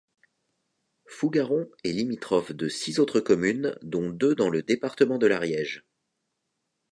Fougaron est limitrophe de six autres communes dont deux dans le département de l'Ariège.